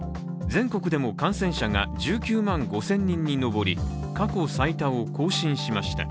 全国でも感染者が１９万５０００人に上り、過去最多を更新しました。